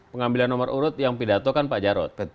pengambilan nomor urut yang pidato kan pak jarod